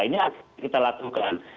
ini harus kita lakukan